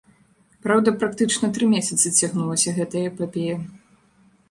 Праўда, практычна тры месяцы цягнулася гэтая эпапея.